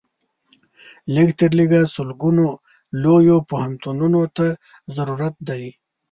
لږ تر لږه سلګونو لویو پوهنتونونو ته ضرورت دی.